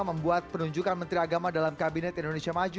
membuat penunjukan menteri agama dalam kabinet indonesia maju